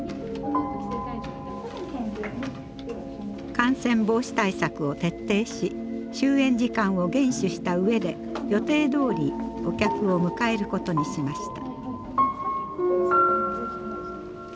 感染防止対策を徹底し終演時間を厳守した上で予定どおりお客を迎えることにしました。